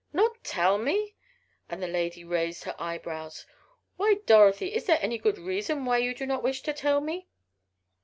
"Not tell me!" and the lady raised her eyebrows. "Why, Dorothy! Is there any good reason why you do not wish to tell me?"